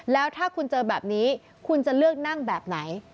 แล้วถ้าคุณเจอแบบนี้คุณจะเลือกนั่งแบบไหน